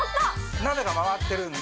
鍋が回ってるんで。